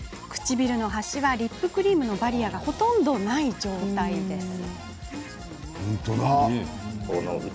唇の端はリップクリームのバリアーがほとんどない状態です。